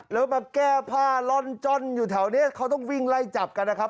แล้วมาแก้ผ้าล่อนจ้อนอยู่แถวนี้เขาต้องวิ่งไล่จับกันนะครับ